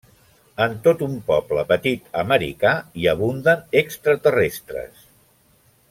En tot un poble petit americà hi abunden extraterrestres.